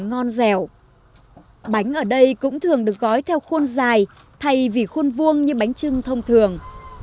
bánh dẻo bánh ở đây cũng thường được gói theo khuôn dài thay vì khuôn vuông như bánh trưng thông thường